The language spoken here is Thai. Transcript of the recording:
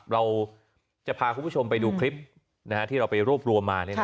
เราจะพาคุณผู้ชมไปดูคลิปที่เราไปรวบรวมมา